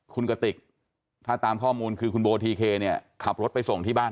คุณกติกถ้าตามข้อมูลคือคุณโบทีเคเนี่ยขับรถไปส่งที่บ้าน